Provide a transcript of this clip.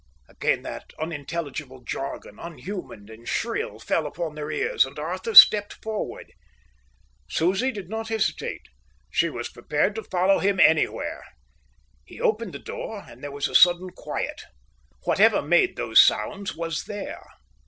Again that unintelligible jargon, unhuman and shrill, fell upon their ears, and Arthur stepped forward. Susie did not hesitate. She was prepared to follow him anywhere. He opened the door, and there was a sudden quiet. Whatever made those sounds was there.